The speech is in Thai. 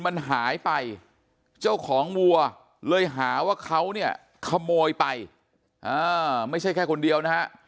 มันหายไปเจ้าของวัวเลยหาว่าเขาเนี่ยขโมยไปไม่ใช่แค่คนเดียวนะฮะ